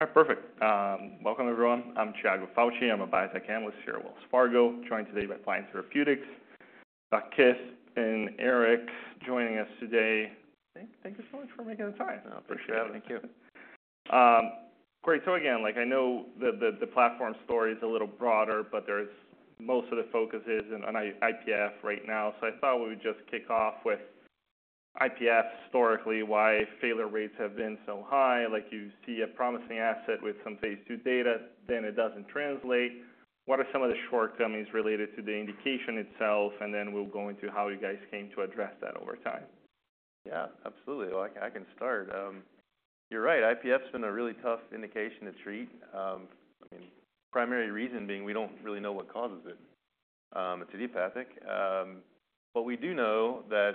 All right, perfect. Welcome, everyone. I'm Tiago Fauth. I'm a biotech analyst here at Wells Fargo, joined today by Pliant Therapeutics. Bernard Coulie and Éric Lefebvre joining us today. Thank you so much for making the time. I appreciate it. Thank you. Great. So again, like, I know the platform story is a little broader, but there's most of the focus on IPF right now. So I thought we would just kick off with IPF historically, why failure rates have been so high? Like, you see a promising asset with some phase 2 data, then it doesn't translate. What are some of the shortcomings related to the indication itself? And then we'll go into how you guys came to address that over time. Yeah, absolutely. I can start. You're right, IPF's been a really tough indication to treat. I mean, primary reason being, we don't really know what causes it. It's idiopathic. But we do know that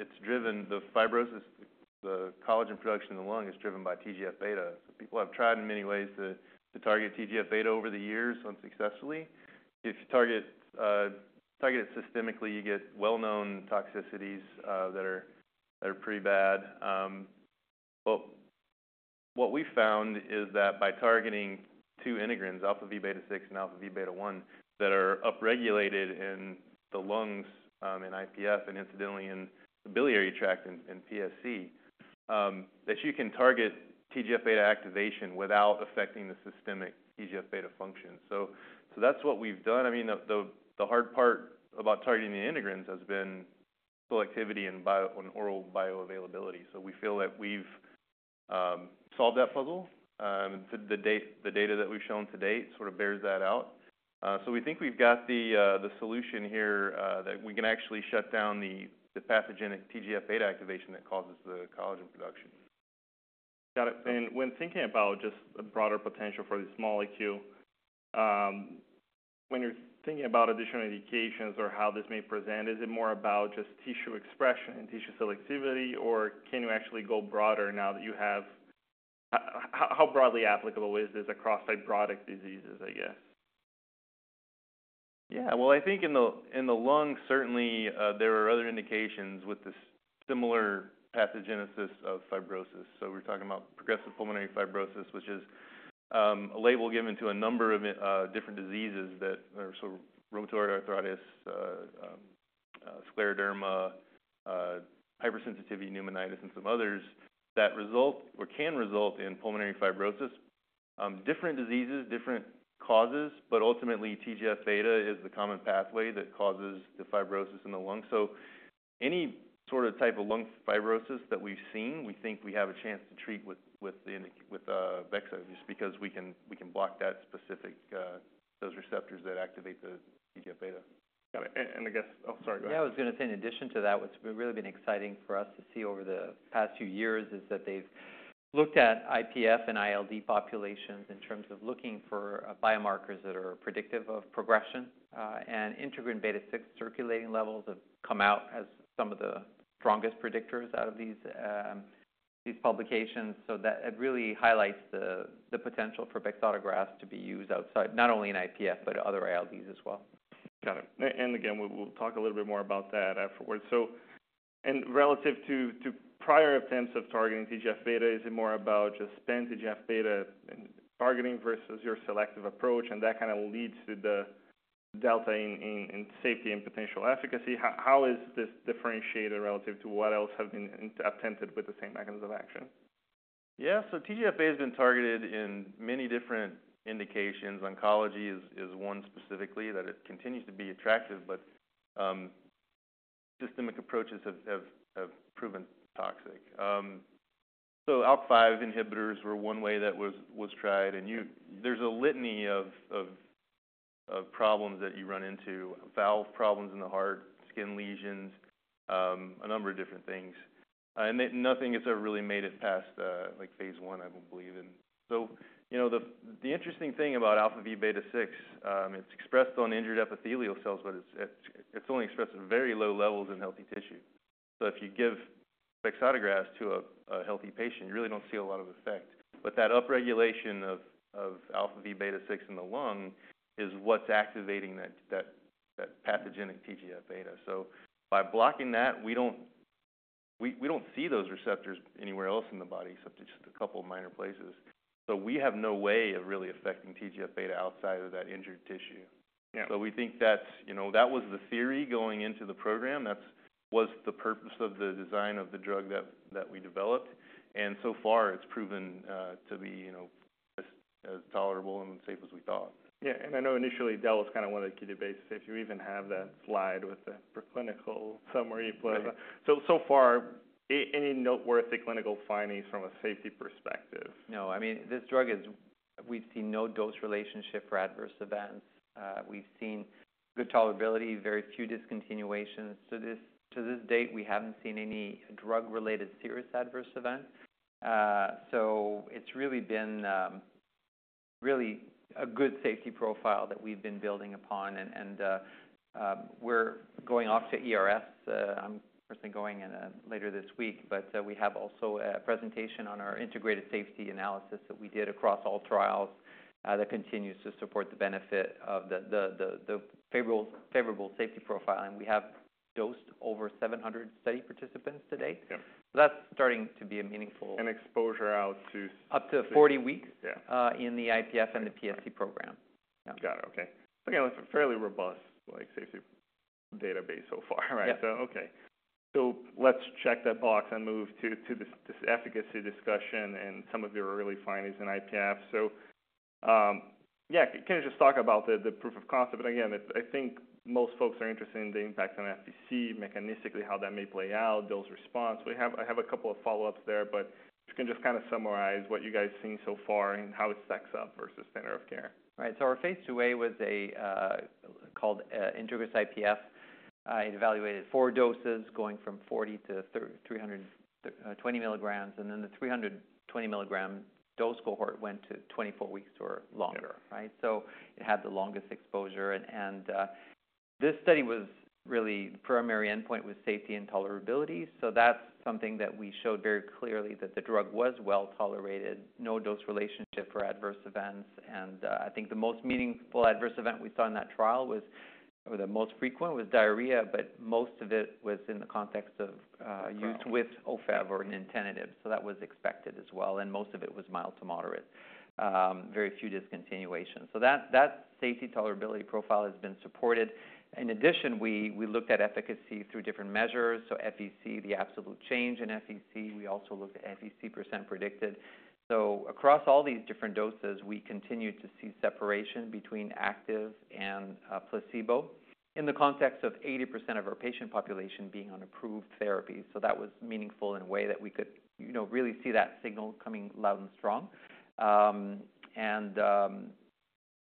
it's driven the fibrosis, the collagen production in the lung is driven by TGF-beta. So people have tried in many ways to target TGF-beta over the years unsuccessfully. If you target it systemically, you get well-known toxicities that are pretty bad. But what we found is that by targeting two integrins, alpha V beta 6 and alpha V beta 1, that are upregulated in the lungs, in IPF and incidentally in the biliary tract in PSC, that you can target TGF-beta activation without affecting the systemic TGF-beta function. So that's what we've done. I mean, the hard part about targeting the integrins has been selectivity and bioavailability. So we feel that we've solved that puzzle. The data that we've shown to date sort of bears that out. So we think we've got the solution here, that we can actually shut down the pathogenic TGF-beta activation that causes the collagen production. Got it. And when thinking about just a broader potential for this molecule, when you're thinking about additional indications or how this may present, is it more about just tissue expression and tissue selectivity, or can you actually go broader now that you have... How broadly applicable is this across fibrotic diseases, I guess? Yeah. Well, I think in the, in the lung, certainly, there are other indications with this similar pathogenesis of fibrosis. So we're talking about progressive pulmonary fibrosis, which is a label given to a number of different diseases that are... So rheumatoid arthritis, scleroderma, hypersensitivity pneumonitis, and some others, that result or can result in pulmonary fibrosis. Different diseases, different causes, but ultimately, TGF-beta is the common pathway that causes the fibrosis in the lung. So any sort of type of lung fibrosis that we've seen, we think we have a chance to treat with Bexotograst just because we can block that specific those receptors that activate the TGF-beta. Got it. Oh, sorry, go ahead. Yeah, I was gonna say, in addition to that, what's really been exciting for us to see over the past few years is that they've looked at IPF and ILD populations in terms of looking for biomarkers that are predictive of progression. And integrin beta six circulating levels have come out as some of the strongest predictors out of these publications. So that it really highlights the potential for Bexotograst to be used outside, not only in IPF, but other ILDs as well. Got it. And again, we will talk a little bit more about that afterwards. So, relative to prior attempts of targeting TGF-beta, is it more about just pan TGF-beta and targeting versus your selective approach, and that kind of leads to the delta in safety and potential efficacy? How is this differentiated relative to what else have been attempted with the same mechanism of action? Yeah. So TGF-beta has been targeted in many different indications. Oncology is one specifically that it continues to be attractive, but systemic approaches have proven toxic. So ALK5 inhibitors were one way that was tried, and there's a litany of problems that you run into: valve problems in the heart, skin lesions, a number of different things. And then nothing has ever really made it past like phase one, I believe. And so, you know, the interesting thing about alpha V beta 6, it's expressed on injured epithelial cells, but it's only expressed at very low levels in healthy tissue. So if you give Bexotograst to a healthy patient, you really don't see a lot of effect. But that upregulation of alpha V beta 6 in the lung is what's activating that pathogenic TGF-beta. So by blocking that, we don't see those receptors anywhere else in the body, except just a couple of minor places. So we have no way of really affecting TGF-beta outside of that injured tissue. Yeah. So we think that's, you know, that was the theory going into the program. That was the purpose of the design of the drug that we developed, and so far, it's proven to be, you know, as tolerable and safe as we thought. Yeah, and I know initially, that was kind of one of the key debates if you even have that slide with the preclinical summary put. Right. So far, any noteworthy clinical findings from a safety perspective? No, I mean, this drug is. We've seen no dose relationship for adverse events. We've seen good tolerability, very few discontinuations. To this date, we haven't seen any drug-related serious adverse event. So it's really been really a good safety profile that we've been building upon. And we're going off to ERS. I'm personally going in later this week. But we have also a presentation on our integrated safety analysis that we did across all trials that continues to support the benefit of the favorable safety profile. And we have dosed over 700 study participants to date. Yeah. That's starting to be a meaningful- And exposure out to- Up to forty weeks- Yeah in the IPF and the PSC program. Yeah. Got it, okay. Again, it's a fairly robust, like, safety database so far, right? Yeah. So, okay. So let's check that box and move to this efficacy discussion and some of your early findings in IPF. Yeah, can you just talk about the proof of concept? But again, I think most folks are interested in the impact on FVC, mechanistically, how that may play out, dose response. I have a couple of follow-ups there, but if you can just kind of summarize what you guys seen so far and how it stacks up versus standard of care. Right. So our phase IIa was called INTEGRIS-IPF. It evaluated four doses, going from 40 to 320 milligrams, and then the 320 milligram dose cohort went to 24 weeks or longer. Yeah. Right? So it had the longest exposure, and this study was really primary endpoint with safety and tolerability. So that's something that we showed very clearly that the drug was well-tolerated, no dose relationship or adverse events. And I think the most meaningful adverse event we saw in that trial was, or the most frequent, was diarrhea, but most of it was in the context of- Okay... use with Ofev or nintedanib. So that was expected as well, and most of it was mild to moderate. Very few discontinuations. So that safety tolerability profile has been supported. In addition, we looked at efficacy through different measures, so FVC, the absolute change in FVC. We also looked at FVC percent predicted. So across all these different doses, we continued to see separation between active and placebo in the context of 80% of our patient population being on approved therapy. So that was meaningful in a way that we could, you know, really see that signal coming loud and strong. And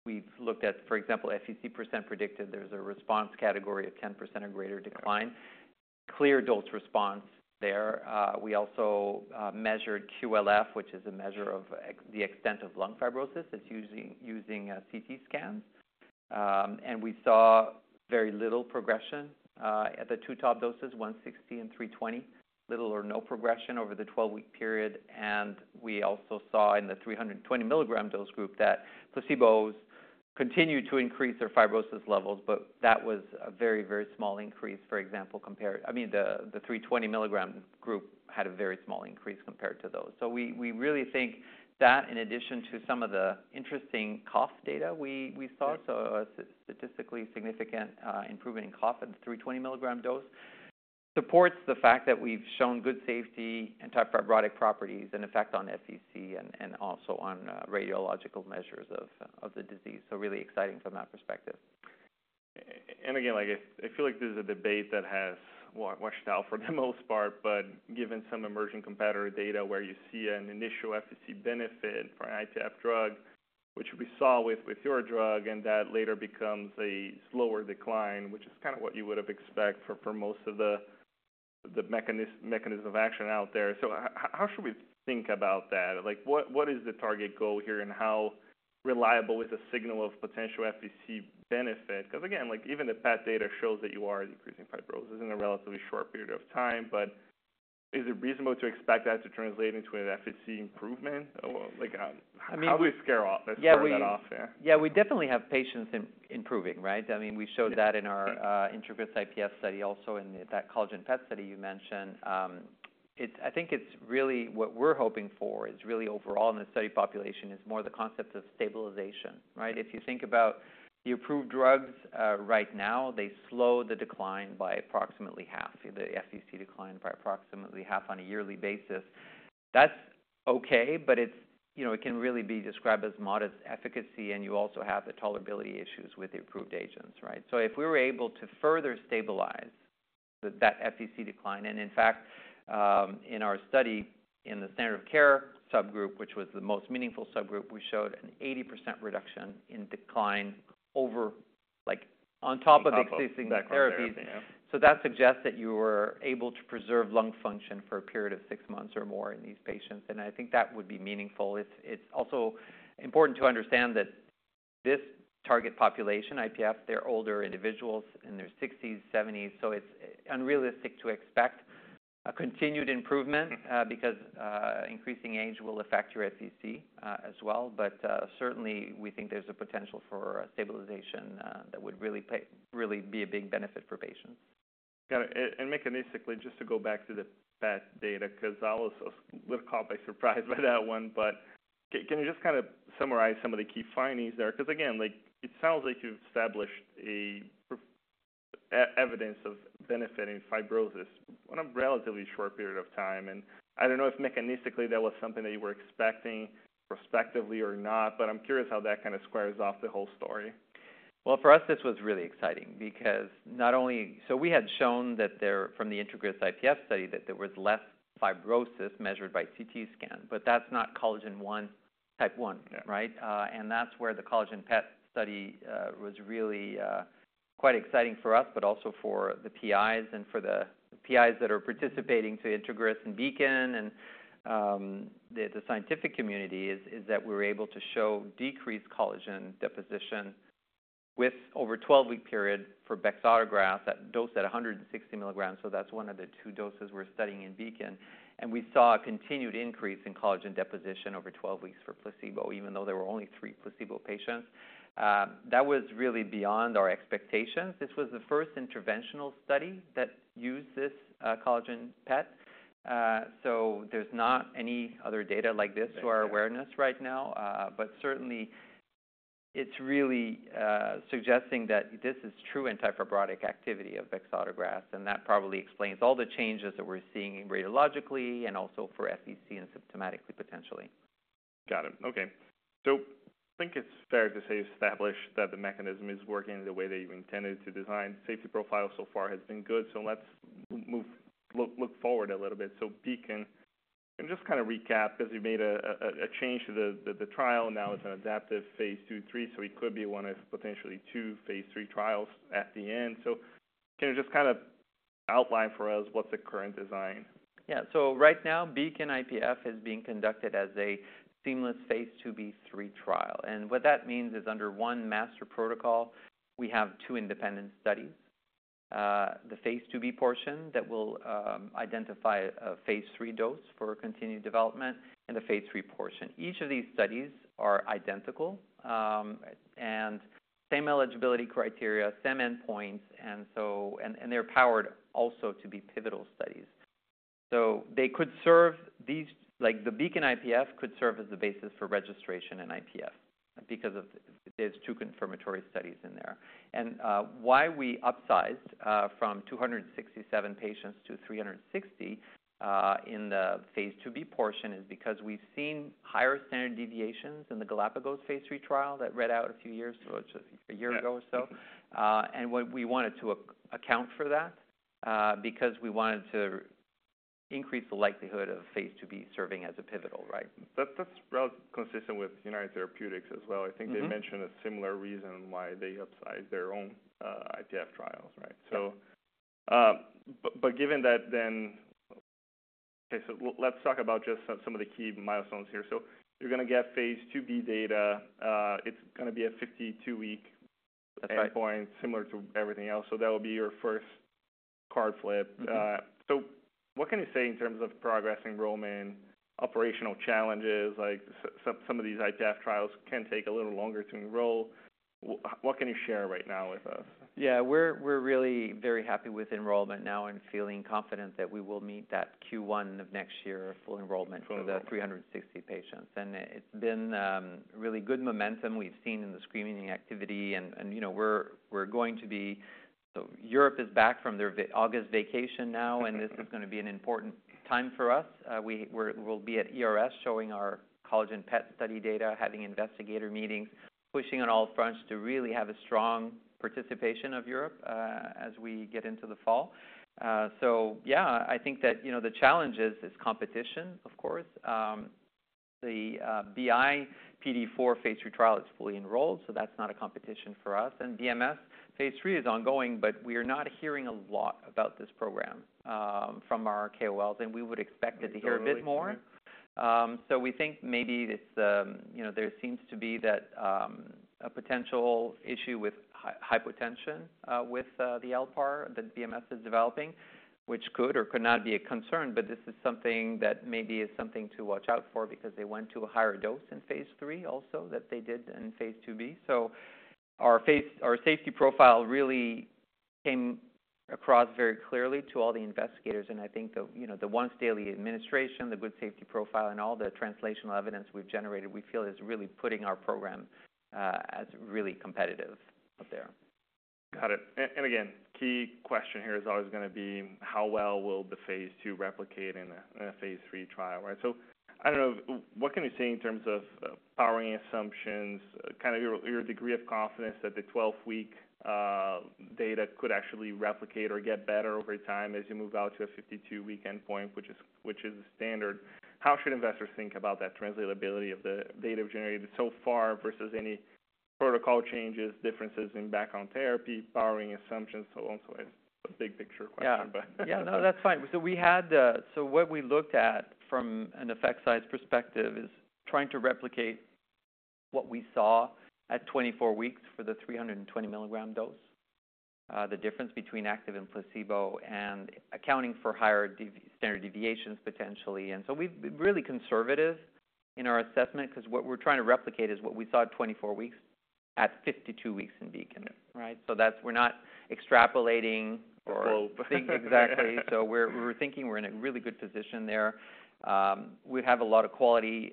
we've looked at, for example, FVC percent predicted. There's a response category of 10% or greater decline. Okay. Clear dose response there. We also measured QLF, which is a measure of the extent of lung fibrosis. It's using CT scans. We saw very little progression at the two top doses, 160 and 320. Little or no progression over the 12-week period, and we also saw in the 320 milligram dose group that placebos continued to increase their fibrosis levels, but that was a very, very small increase, for example, compared. I mean, the 320 milligram group had a very small increase compared to those. So we really think that, in addition to some of the interesting cough data we saw. Right... so a statistically significant improvement in cough at 320-milligram dose supports the fact that we've shown good safety, anti-fibrotic properties, and effect on FVC and also on radiological measures of the disease. So really exciting from that perspective. And again, like, I feel like this is a debate that has washed out for the most part, but given some emerging competitor data where you see an initial FVC benefit for an IPF drug, which we saw with your drug, and that later becomes a slower decline, which is kind of what you would have expect for most of the mechanism of action out there. So how should we think about that? Like, what is the target goal here, and how reliable is the signal of potential FVC benefit? Because, again, like, even the PET data shows that you are increasing fibrosis in a relatively short period of time, but is it reasonable to expect that to translate into an FVC improvement? Or, like, I mean- How do we scare off- Yeah, we-... start that off, yeah. Yeah, we definitely have patients improving, right? I mean, we showed that- Yeah... in our INTEGRIS-IPF study, also in that Collagen PET study you mentioned. It's I think it's really what we're hoping for is really overall, in the study population, is more the concept of stabilization, right? If you think about the approved drugs, right now, they slow the decline by approximately half, the FVC decline by approximately half on a yearly basis. That's okay, but it's, you know, it can really be described as modest efficacy, and you also have the tolerability issues with the approved agents, right? So if we were able to further stabilize that FVC decline, and in fact, in our study, in the standard of care subgroup, which was the most meaningful subgroup, we showed an 80% reduction in decline over, like, on top of- On top of... existing therapies. Yeah. So that suggests that you were able to preserve lung function for a period of six months or more in these patients, and I think that would be meaningful. It's also important to understand that this target population, IPF, they're older individuals in their sixties, seventies, so it's unrealistic to expect a continued improvement, because increasing age will affect your FVC, as well. But certainly, we think there's a potential for stabilization, that would really be a big benefit for patients. Got it. And mechanistically, just to go back to the PET data, because I was a little caught by surprise by that one, but can you just kind of summarize some of the key findings there? Because, again, like, it sounds like you've established a proof of evidence of benefiting fibrosis in a relatively short period of time, and I don't know if mechanistically that was something that you were expecting prospectively or not, but I'm curious how that kind of squares off the whole story. For us, this was really exciting because not only... We had shown that there, from the INTEGRIS-IPF study, that there was less fibrosis measured by CT scan, but that's not collagen one, type one- Yeah... right? And that's where the collagen PET study was really quite exciting for us, but also for the PIs that are participating to INTEGRIS and BEACON. And the scientific community is that we were able to show decreased collagen deposition with over 12-week period for Bexotograst, that dose at 160 milligrams. So that's one of the two doses we're studying in BEACON. And we saw a continued increase in collagen deposition over 12 weeks for placebo, even though there were only 3 placebo patients. That was really beyond our expectations. This was the first interventional study that used this collagen PET, so there's not any other data like this to our awareness right now. But certainly, it's really suggesting that this is true anti-fibrotic activity of Bexotograst, and that probably explains all the changes that we're seeing radiologically and also for FVC and symptomatically, potentially. Got it. Okay. So I think it's fair to say, established that the mechanism is working the way that you intended to design. Safety profile so far has been good, so let's look forward a little bit. So BEACON, and just kind of recap, because you made a change to the trial, now it's an adaptive phase II, III, so it could be one of potentially two phase III trials at the end. So can you just kind of outline for us what's the current design? Yeah. So right now, BEACON-IPF is being conducted as a seamless phase IIb/III trial, and what that means is under one master protocol, we have two independent studies. The phase IIb portion that will identify a phase III dose for continued development and the phase III portion. Each of these studies are identical, and same eligibility criteria, same endpoints, and so, and they're powered also to be pivotal studies. So they could serve these. Like, the BEACON-IPF could serve as the basis for registration in IPF because of there's two confirmatory studies in there. And why we upsized from 267 patients to 360 in the phase IIb portion is because we've seen higher standard deviations in the Galapagos phase III trial that read out a few years, so a year ago or so. Yeah. And what we wanted to account for that, because we wanted to increase the likelihood of phase IIb serving as a pivotal, right? That's well consistent with United Therapeutics as well. Mm-hmm. I think they mentioned a similar reason why they upsized their own IPF trials, right? Yeah. Let's talk about just some of the key milestones here. You're going to get phase IIb data. It's going to be a fifty-two-week- That's right... endpoint, similar to everything else, so that will be your first card flip. Mm-hmm. So, what can you say in terms of progress, enrollment, operational challenges, like some of these IPF trials can take a little longer to enroll? What can you share right now with us? Yeah, we're really very happy with enrollment now and feeling confident that we will meet that Q1 of next year full enrollment. Full... for the 360 patients. It's been really good momentum we've seen in the screening activity, and you know, we're going to be. Europe is back from their August vacation now, and this is going to be an important time for us. We'll be at ERS showing our collagen PET study data, having investigator meetings, pushing on all fronts to really have a strong participation of Europe as we get into the fall. Yeah, I think that you know, the challenge is competition, of course. The BI PDE4 phase III trial is fully enrolled, so that's not a competition for us. BMS phase III is ongoing, but we are not hearing a lot about this program from our KOLs, and we would expect to hear a bit more. True. So we think maybe it's, you know, there seems to be that a potential issue with hypotension with the LPAR that BMS is developing, which could or could not be a concern, but this is something that maybe is something to watch out for because they went to a higher dose in phase III also, that they did in phase IIb. So our safety profile really came across very clearly to all the investigators, and I think the, you know, the once-daily administration, the good safety profile, and all the translational evidence we've generated, we feel is really putting our program as really competitive out there. Got it. And again, key question here is always going to be how well will the phase II replicate in a phase III trial, right? So I don't know, what can you say in terms of powering assumptions, kind of your degree of confidence that the 12-week data could actually replicate or get better over time as you move out to a 52-week endpoint, which is standard? How should investors think about that translatability of the data generated so far versus any protocol changes, differences in background therapy, powering assumptions, so on? So it's a big picture question, but Yeah. Yeah, no, that's fine. So what we looked at from an effect size perspective is trying to replicate what we saw at 24 weeks for the 320 milligram dose, the difference between active and placebo, and accounting for higher standard deviations, potentially. And so we've been really conservative in our assessment, because what we're trying to replicate is what we saw at 24 weeks, at 52 weeks in BEACON. Yeah. Right? So that's. We're not extrapolating or- Well, Exactly. So we're thinking we're in a really good position there. We have a lot of quality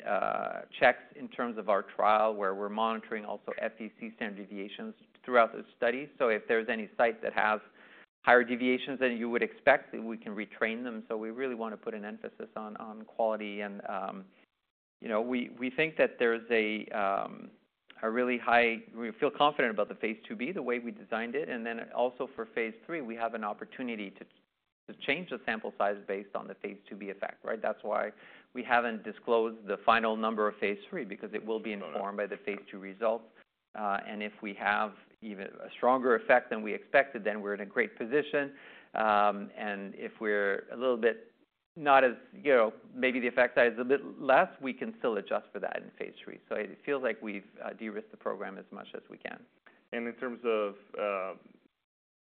checks in terms of our trial, where we're monitoring also FVC standard deviations throughout the study. So if there's any sites that have higher deviations than you would expect, we can retrain them. So we really want to put an emphasis on quality. And, you know, we think that there's a really high-- we feel confident about the phase IIb, the way we designed it. And then also for phase III, we have an opportunity to change the sample size based on the phase IIb effect, right? That's why we haven't disclosed the final number of phase III, because it will be informed- Got it... by the phase II results. And if we have even a stronger effect than we expected, then we're in a great position. And if we're a little bit not as, you know, maybe the effect size is a bit less, we can still adjust for that in phase III. So it feels like we've de-risked the program as much as we can. And in terms of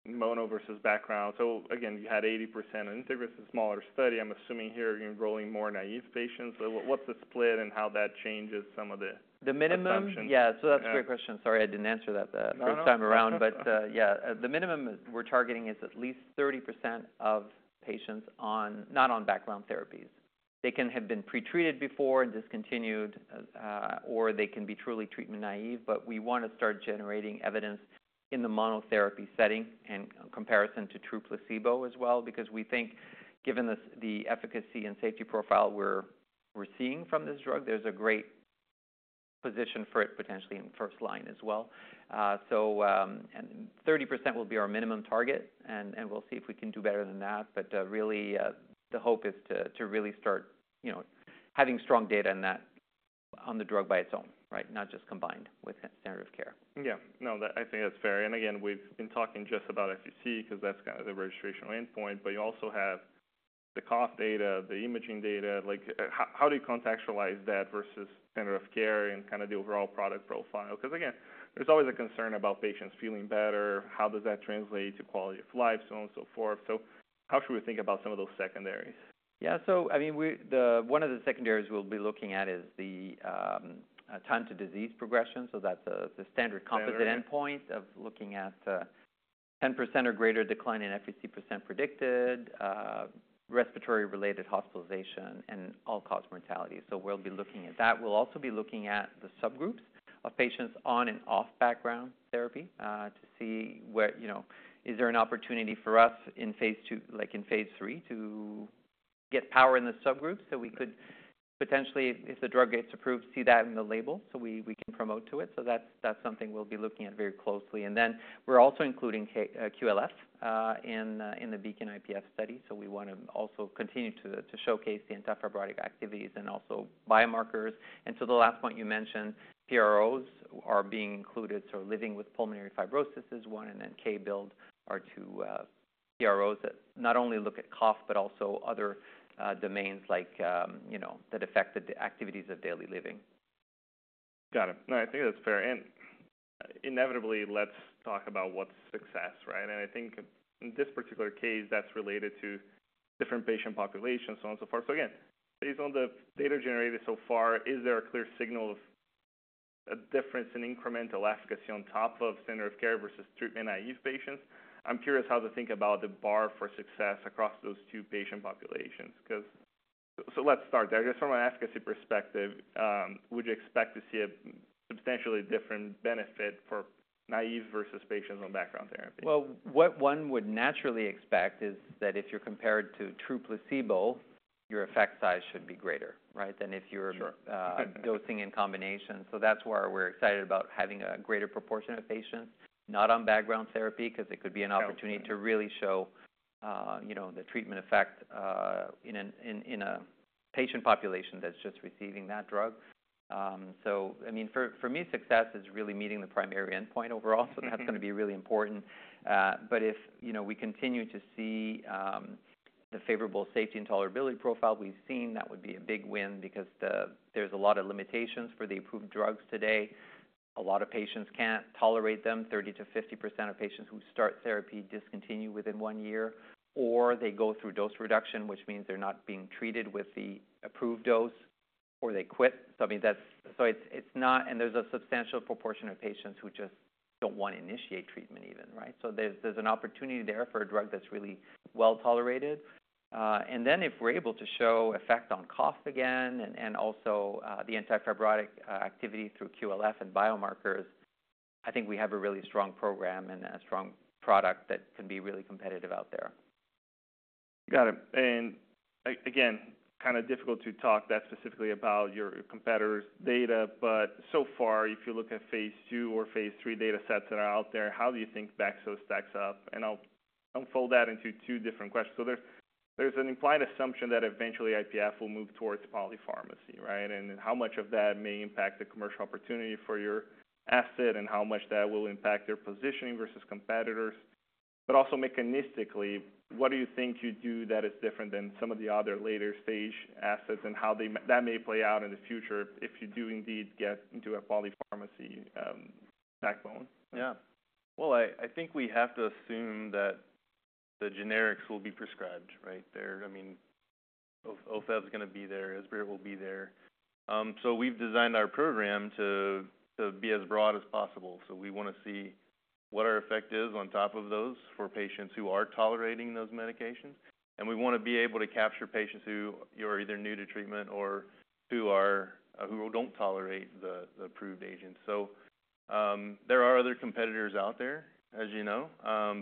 mono versus background, so again, you had 80% integrated, a smaller study. I'm assuming here you're enrolling more naive patients. So what, what's the split and how that changes some of the- The minimum?... assumption? Yeah, so that's a great question. Yeah. Sorry, I didn't answer that. No, no... first time around. But, yeah, the minimum we're targeting is at least 30% of patients on, not on background therapies.... They can have been pretreated before and discontinued, or they can be truly treatment naive. But we want to start generating evidence in the monotherapy setting and comparison to true placebo as well, because we think given the efficacy and safety profile we're seeing from this drug, there's a great position for it potentially in first line as well. So, and 30% will be our minimum target, and we'll see if we can do better than that. But, really, the hope is to really start, you know, having strong data on that, on the drug by its own, right? Not just combined with standard of care. Yeah. No, that. I think that's fair. And again, we've been talking just about FVC, 'cause that's kind of the registrational endpoint, but you also have the cough data, the imaging data. Like, how do you contextualize that versus standard of care and kind of the overall product profile? Because, again, there's always a concern about patients feeling better, how does that translate to quality of life, so on and so forth. So how should we think about some of those secondaries? Yeah, so I mean, one of the secondaries we'll be looking at is the time to disease progression, so that's the standard- Yeah... composite endpoint of looking at, 10% or greater decline in FVC percent predicted, respiratory-related hospitalization, and all-cause mortality. So we'll be looking at that. We'll also be looking at the subgroups of patients on and off background therapy, to see where, you know, is there an opportunity for us in phase II, like in phase III, to get power in the subgroups? So we could potentially, if the drug gets approved, see that in the label, so we, we can promote to it. So that's, that's something we'll be looking at very closely. And then we're also including QLF, in, in the BEACON-IPF study. So we want to also continue to showcase the antifibrotic activities and also biomarkers. And so the last point you mentioned, PROs are being included, so Living with Pulmonary Fibrosis is one, and then K-BILD are two, PROs that not only look at cough, but also other domains like, you know, that affect the activities of daily living. Got it. No, I think that's fair. And inevitably, let's talk about what's success, right? And I think in this particular case, that's related to different patient populations, so on and so forth. So again, based on the data generated so far, is there a clear signal of a difference in incremental efficacy on top of standard of care versus treatment-naive patients? I'm curious how to think about the bar for success across those two patient populations, 'cause... So let's start there. Just from an efficacy perspective, would you expect to see a substantially different benefit for naive versus patients on background therapy? What one would naturally expect is that if you're compared to true placebo, your effect size should be greater, right, than if you're- Sure.... dosing in combination. So that's why we're excited about having a greater proportion of patients not on background therapy, 'cause it could be an opportunity- Got it... to really show, you know, the treatment effect in a patient population that's just receiving that drug. So I mean, for me, success is really meeting the primary endpoint overall- Mm-hmm... so that's going to be really important. But if, you know, we continue to see the favorable safety and tolerability profile we've seen, that would be a big win because there's a lot of limitations for the approved drugs today. A lot of patients can't tolerate them. 30%-50% of patients who start therapy discontinue within one year, or they go through dose reduction, which means they're not being treated with the approved dose, or they quit. So, I mean, that's so it's not. And there's a substantial proportion of patients who just don't want to initiate treatment even, right? So there's an opportunity there for a drug that's really well-tolerated. And then, if we're able to show effect on cough again, and also the antifibrotic activity through QLF and biomarkers, I think we have a really strong program and a strong product that can be really competitive out there. Got it. And again, kind of difficult to talk that specifically about your competitors' data, but so far, if you look at phase II or phase III data sets that are out there, how do you think Bexotograst stacks up? And I'll unfold that into two different questions. So there's an implied assumption that eventually IPF will move towards polypharmacy, right? And how much of that may impact the commercial opportunity for your asset, and how much that will impact your positioning versus competitors? But also mechanistically, what do you think you do that is different than some of the other later-stage assets, and how that may play out in the future if you do indeed get into a polypharmacy backbone? Yeah. Well, I think we have to assume that the generics will be prescribed, right? They're... I mean, Ofev is going to be there, Esbriet will be there. So we've designed our program to be as broad as possible. So we want to see what our effect is on top of those for patients who are tolerating those medications. And we want to be able to capture patients who are either new to treatment or who don't tolerate the approved agents. So there are other competitors out there, as you know.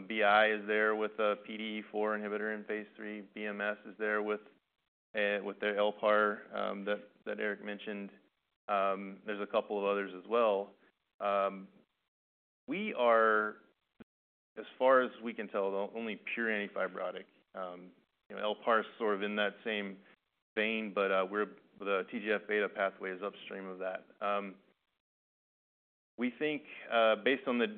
BI is there with a PDE4 inhibitor in phase 3. BMS is there with their LPAR that Eric mentioned. There's a couple of others as well. We are, as far as we can tell, the only pure antifibrotic. You know, LPAR is sort of in that same vein, but the TGF-beta pathway is upstream of that. We think, based on the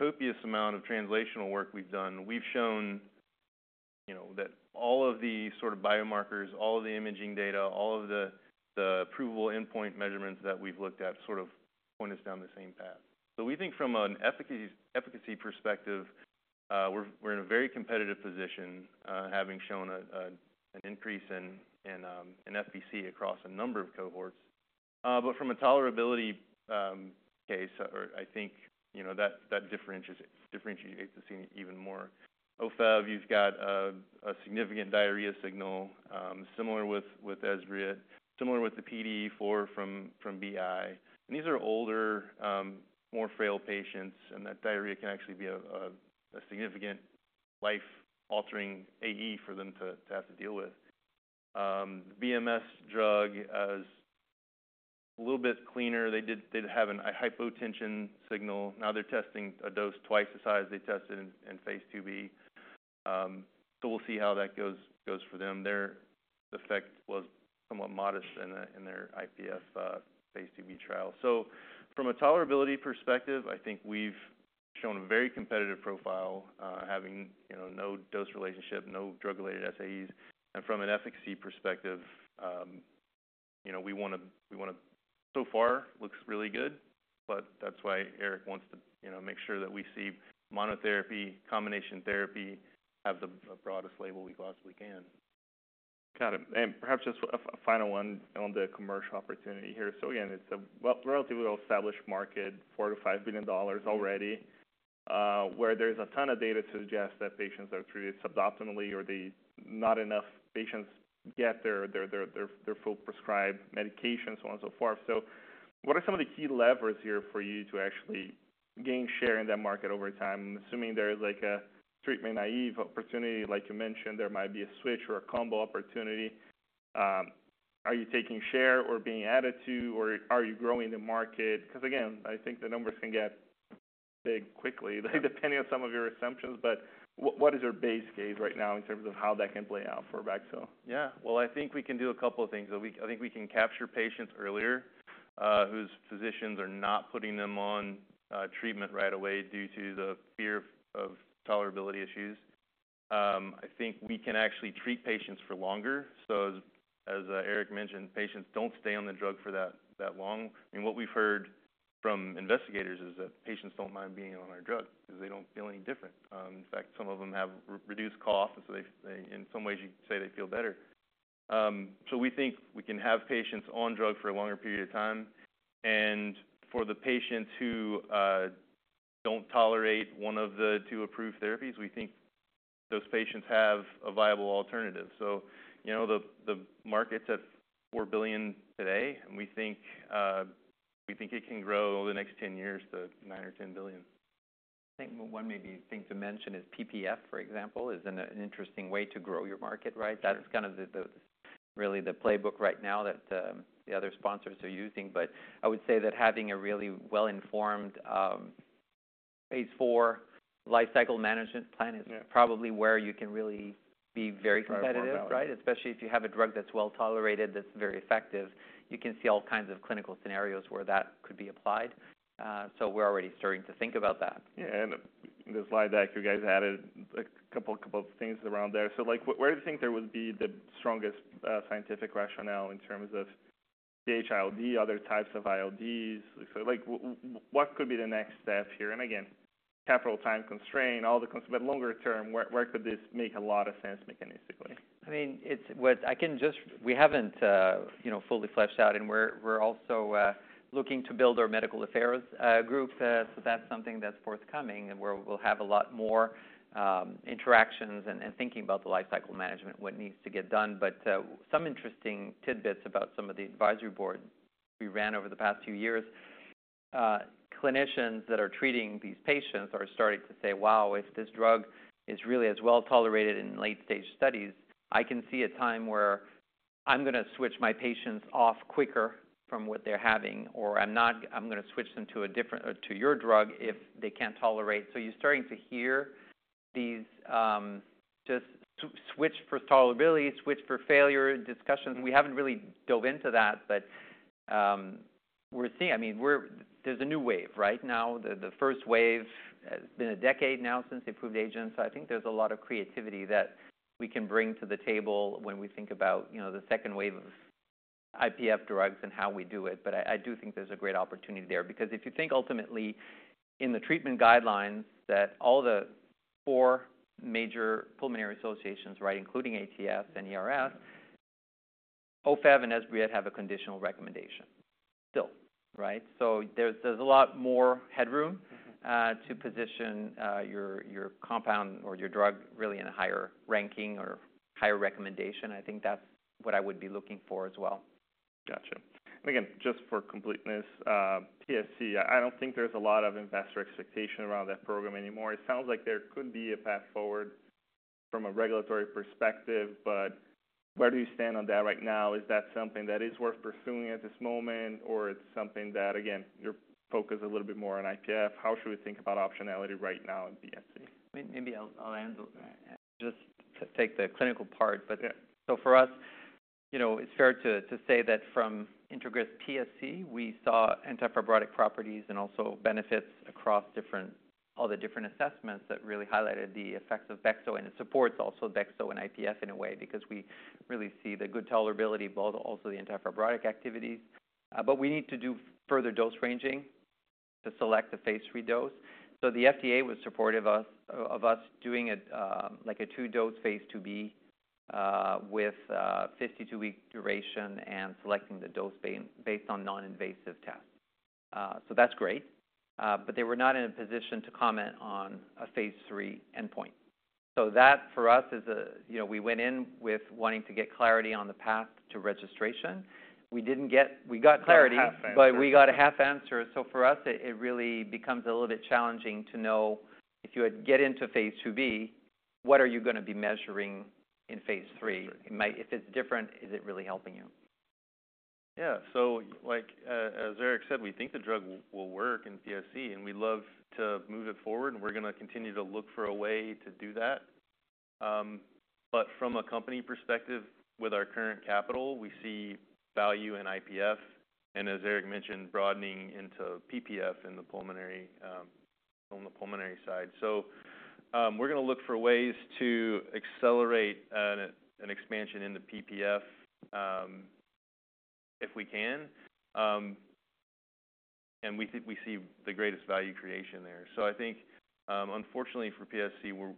copious amount of translational work we've done, we've shown, you know, that all of the sort of biomarkers, all of the imaging data, all of the approvable endpoint measurements that we've looked at sort of point us down the same path, so we think from an efficacy perspective, we're in a very competitive position, having shown an increase in FVC across a number of cohorts, but from a tolerability case, or I think, you know, that differentiates the scene even more. Ofev, you've got a significant diarrhea signal, similar with Esbriet, similar with the PDE4 from BI. These are older, more frail patients, and that diarrhea can actually be a significant life-altering AE for them to have to deal with. BMS drug is a little bit cleaner. They did, they'd have an hypertension signal. Now they're testing a dose twice the size they tested in phase two B, so we'll see how that goes for them. Their effect was somewhat modest in their IPF phase two B trial. So from a tolerability perspective, I think we've shown a very competitive profile, having, you know, no dose relationship, no drug-related SAEs. From an efficacy perspective, you know, we want to, we want to. So far, looks really good, but that's why Eric wants to, you know, make sure that we see monotherapy, combination therapy, have the broadest label we possibly can. Got it. And perhaps just a final one on the commercial opportunity here. So again, it's a relatively well-established market, $4-$5 billion already, where there's a ton of data to suggest that patients are treated suboptimally or that not enough patients get their full prescribed medication, so on and so forth. So what are some of the key levers here for you to actually gain share in that market over time? Assuming there is, like, a treatment-naive opportunity, like you mentioned, there might be a switch or a combo opportunity. Are you taking share or being added to, or are you growing the market? Because, again, I think the numbers can get big quickly, depending on some of your assumptions. But what is your base case right now in terms of how that can play out for Bexotograst? Yeah. Well, I think we can do a couple of things. I think we can capture patients earlier whose physicians are not putting them on treatment right away due to the fear of tolerability issues. I think we can actually treat patients for longer. So Eric mentioned, patients don't stay on the drug for that long. And what we've heard from investigators is that patients don't mind being on our drug because they don't feel any different. In fact, some of them have reduced cough, and so they in some ways, you could say they feel better. So we think we can have patients on drug for a longer period of time. And for the patients who don't tolerate one of the two approved therapies, we think those patients have a viable alternative. You know, the market's at $4 billion today, and we think it can grow over the next 10 years to $9 billion or $10 billion. I think one maybe thing to mention is PPF, for example, is an interesting way to grow your market, right? Sure. That's kind of the really the playbook right now that the other sponsors are using. But I would say that having a really well-informed phase four lifecycle management plan- Yeah - is probably where you can really be very competitive, right? Try to form it out. Especially if you have a drug that's well-tolerated, that's very effective. You can see all kinds of clinical scenarios where that could be applied. So we're already starting to think about that. Yeah, and the slide deck, you guys added a couple of things around there. So, like, where do you think there would be the strongest scientific rationale in terms of the ILD, other types of ILDs? So, like, what could be the next step here? And again, capital time constraint, all the const... But longer term, where could this make a lot of sense mechanistically? I mean, it's what we haven't, you know, fully fleshed out, and we're also looking to build our medical affairs group. So that's something that's forthcoming, and we'll have a lot more interactions and thinking about the lifecycle management, what needs to get done. But some interesting tidbits about some of the advisory board we ran over the past few years. Clinicians that are treating these patients are starting to say: Wow, if this drug is really as well-tolerated in late-stage studies, I can see a time where I'm going to switch my patients off quicker from what they're having, or I'm going to switch them to a different, or to your drug if they can't tolerate. So you're starting to hear these just switch for tolerability, switch for failure discussions. We haven't really dove into that, but we're seeing. I mean, there's a new wave right now. The first wave, it's been a decade now since the approved agents. So I think there's a lot of creativity that we can bring to the table when we think about, you know, the second wave of IPF drugs and how we do it. But I do think there's a great opportunity there. Because if you think ultimately in the treatment guidelines, that all the four major pulmonary associations, right, including ATS and ERS, Ofev and Esbriet have a conditional recommendation still, right? So there's a lot more headroom to position your compound or your drug really in a higher ranking or higher recommendation. I think that's what I would be looking for as well. Gotcha. And again, just for completeness, PSC, I don't think there's a lot of investor expectation around that program anymore. It sounds like there could be a path forward from a regulatory perspective, but where do you stand on that right now? Is that something that is worth pursuing at this moment, or it's something that, again, you're focused a little bit more on IPF? How should we think about optionality right now in PSC? Maybe I'll handle just to take the clinical part, but- Yeah. So for us, you know, it's fair to say that from INTEGRIS-PSC, we saw antifibrotic properties and also benefits across all the different assessments that really highlighted the effects of Bexotograst, and it supports also Bexotograst and IPF in a way, because we really see the good tolerability, but also the antifibrotic activities. But we need to do further dose ranging to select the phase 3 dose. So the FDA was supportive of us doing it, like a two-dose phase 2b, with a 52-week duration and selecting the dose based on non-invasive tests. So that's great. But they were not in a position to comment on a phase 3 endpoint. So that, for us, is a, you know, we went in with wanting to get clarity on the path to registration. We didn't get. We got clarity- Got a half answer. But we got a half answer. So for us, it really becomes a little bit challenging to know, if you would get into phase IIb, what are you gonna be measuring in phase III? III. It might. If it's different, is it really helping you? Yeah. So like, as Eric said, we think the drug will work in PSC, and we'd love to move it forward, and we're gonna continue to look for a way to do that, but from a company perspective, with our current capital, we see value in IPF, and as Eric mentioned, broadening into PPF in the pulmonary, on the pulmonary side, so we're gonna look for ways to accelerate an expansion into PPF, if we can. And we think we see the greatest value creation there, so I think, unfortunately for PSC, we're...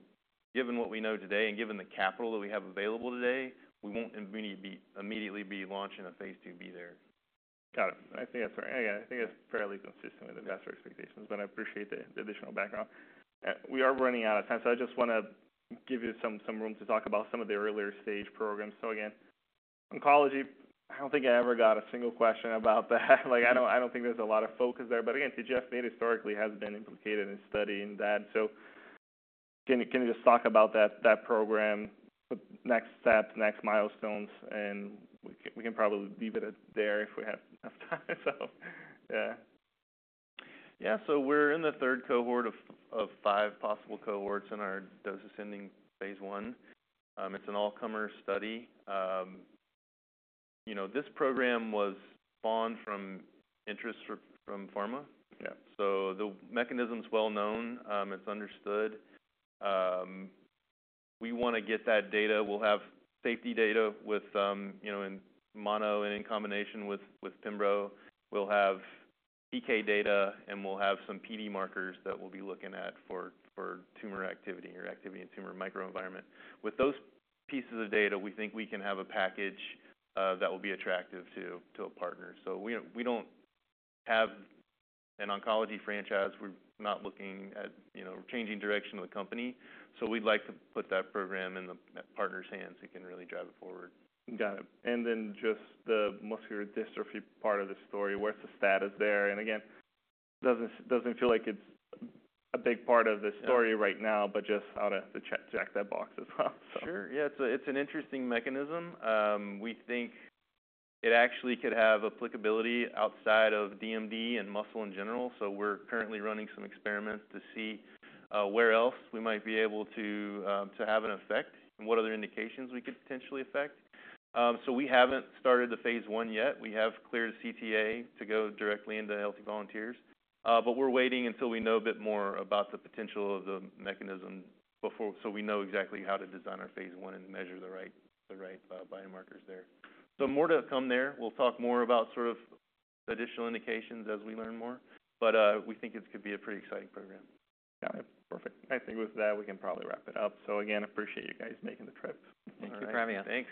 Given what we know today and given the capital that we have available today, we won't immediately be launching a phase IIb there. Got it. I think that's fair. Yeah, I think that's fairly consistent with investor expectations, but I appreciate the additional background. We are running out of time, so I just wanna give you some room to talk about some of the earlier stage programs. So again, oncology, I don't think I ever got a single question about that. Like, I don't think there's a lot of focus there, but again, TGF-beta historically has been implicated in studying that. So can you just talk about that program, the next steps, next milestones, and we can probably leave it at that if we have enough time? So, yeah. Yeah. So we're in the third cohort of five possible cohorts in our dose-ascending phase I. It's an all-comer study. You know, this program was spawned from interest from pharma. Yeah. So the mechanism's well known. It's understood. We wanna get that data. We'll have safety data with, you know, in mono and in combination with, with pembrolizumab. We'll have PK data, and we'll have some PD markers that we'll be looking at for, for tumor activity or activity in tumor microenvironment. With those pieces of data, we think we can have a package, that will be attractive to, to a partner. So we don't, we don't have an oncology franchise. We're not looking at, you know, changing direction of the company, so we'd like to put that program in the partner's hands, who can really drive it forward. Got it. And then just the muscular dystrophy part of the story, what's the status there? And again, doesn't feel like it's a big part of the story- Yeah... right now, but just how to check that box as well? So. Sure. Yeah, it's an interesting mechanism. We think it actually could have applicability outside of DMD and muscle in general, so we're currently running some experiments to see where else we might be able to to have an effect and what other indications we could potentially affect. So we haven't started the phase I yet. We have cleared a CTA to go directly into healthy volunteers, but we're waiting until we know a bit more about the potential of the mechanism before, so we know exactly how to design our phase I and measure the right biomarkers there. So more to come there. We'll talk more about sort of additional indications as we learn more, but we think it could be a pretty exciting program. Got it. Perfect. I think with that, we can probably wrap it up. So again, appreciate you guys making the trip. Thank you for having us. Thanks.